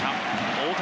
大谷！